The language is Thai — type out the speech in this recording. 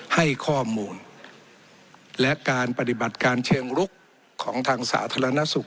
ให้ข้อมูลและการปฏิบัติการเชิงลุกของทางสาธารณสุข